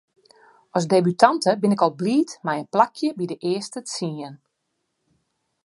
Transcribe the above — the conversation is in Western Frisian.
As debutante bin ik al bliid mei in plakje by de earste tsien.